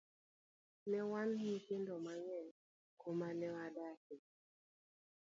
Ne wan nyithindo mang'eny kumane adake.